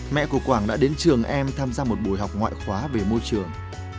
mẹ của quảng đã đến trường em tham gia một buổi học ngoại khóa về môi trường